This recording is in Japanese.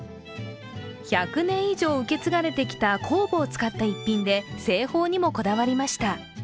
１００年以上受け継がれてきた酵母を使った逸品で製法にもこだわりました。